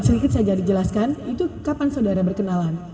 sedikit saja dijelaskan itu kapan saudara berkenalan